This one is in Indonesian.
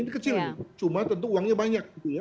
ini kecil cuma tentu uangnya banyak